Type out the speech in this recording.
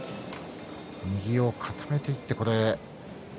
右を固めていって。